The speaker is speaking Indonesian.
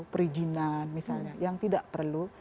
perizinan misalnya yang tidak perlu